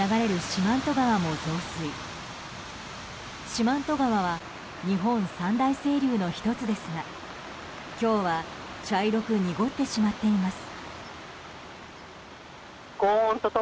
四万十川は日本三大清流の１つですが今日は茶色く濁ってしまっています。